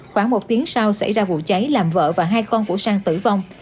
khoảng một tiếng sau xảy ra vụ cháy làm vợ và hai con của sang tử vong